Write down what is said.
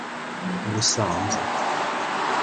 Ubusanza